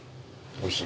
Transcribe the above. おいしい。